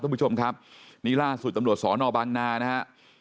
คุณผู้ชมครับนี่ล่าสุดตำรวจสอนอบางนานะฮะ